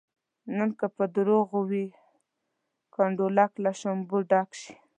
نن که په درواغو وي کنډولک له شلومبو ډک شي.